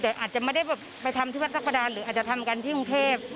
แต่อาจจะไม่ได้แบบไปทำที่วัดทัพกระดานหรืออาจจะทำกันที่กรุงเทพ